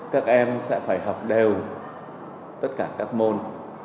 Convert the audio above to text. các em sẽ phải học đều tất cả các môn